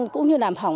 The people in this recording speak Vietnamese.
cũng như làm hỏng